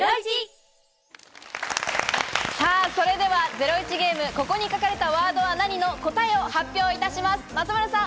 ゼロイチゲーム、「ここに書かれたワードは何？」の答えを発表いたします。